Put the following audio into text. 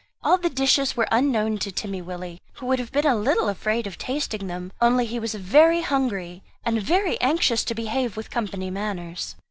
All the dishes were unknown to Timmy Willie, who would have been a little afraid of tasting them; only he was very hungry, and very anxious to behave with company manners.